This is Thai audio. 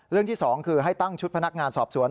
เรื่องที่สองคือให้ตั้งชุดพนักงานสอบสวน